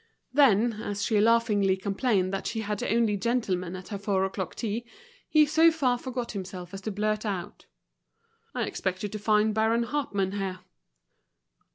Then as she laughingly complained that she had only gentlemen at her four o'clock tea, he so far forgot himself as to blurt out: "I expected to find Baron Hartmann here."